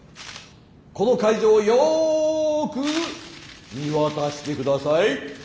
この会場をよく見渡してください。